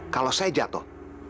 kalau saya jatuh